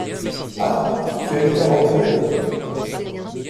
Ah ! tu as mis ta robe neuve ?…